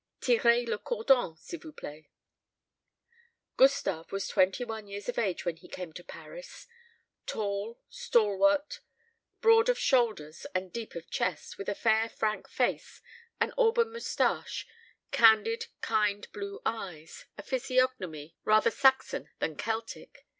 Tirez le cordon, s.v.p._ Gustave was twenty one years of age when he came to Paris; tall, stalwart, broad of shoulders and deep of chest, with a fair frank face, an auburn moustache, candid, kind blue eyes a physiognomy rather Saxon than Celtic.